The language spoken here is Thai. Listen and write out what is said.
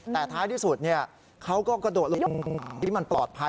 แต่ท้ายที่สุดเขาก็กระโดดลงที่มันปลอดภัย